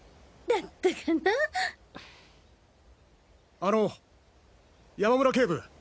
あの山村警部。